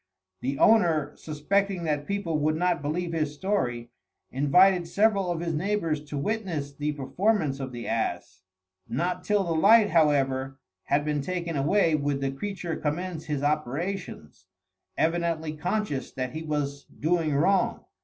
The owner, suspecting that people would not believe his story, invited several of his neighbours to witness the performance of the ass. Not till the light, however, had been taken away, would the creature commence his operations, evidently conscious that he was doing wrong.